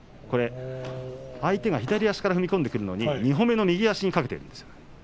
相手が左足から踏み込んでくるのに２歩目の左足に懸けているんですよ。